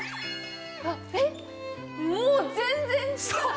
えっもう全然違う！